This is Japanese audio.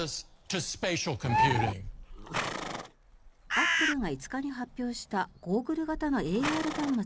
アップルが５日に発表したゴーグル型のＡＲ端末